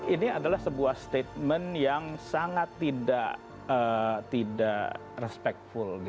ini adalah sebuah statement yang sangat tidak respectful